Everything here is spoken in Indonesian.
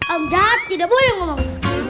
orang jahat tidak boleh ngomong